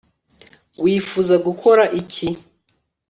wifuza gukora iki